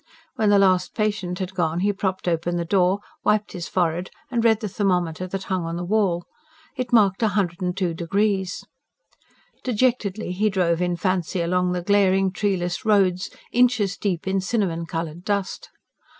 When the last patient had gone he propped open the door, wiped his forehead and read the thermometer that hung on the wall: it marked 102 degrees. Dejectedly he drove, in fancy, along the glaring, treeless roads, inches deep in cinnamon coloured dust.